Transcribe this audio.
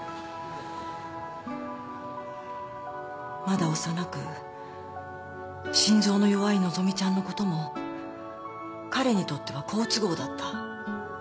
まだ幼く心臓の弱い希美ちゃんのことも彼にとっては好都合だった。